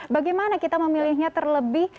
bagaimana kita memilihnya terlebih